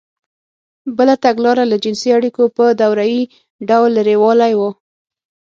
بله تګلاره له جنسـي اړیکو په دورهیي ډول لرېوالی و.